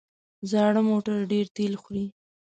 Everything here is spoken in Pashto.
زاړه موټر ډېره تېل خوري.